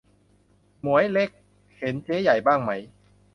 หมวยเล็ก เห็นเจ๊ใหญ่บ้างไหม